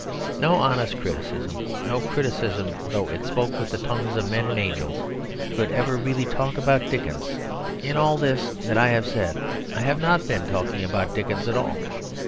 But no honest criticism, no criticism, though it spoke with the tongues of men and angels, could ever really talk about Dickens. In all this that I have said I have not been talking about Dickens at all.